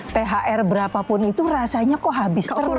thr berapapun itu rasanya kok habis terus